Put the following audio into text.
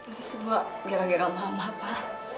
ini semua gara gara mama pa